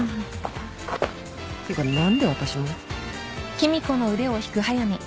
ってか何で私も？